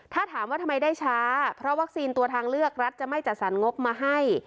ถ้าถามว่าทำไมได้ช้าเพราะวัคซีนตัวทางเลือกรัฐจะไม่จัดสรรงบมาให้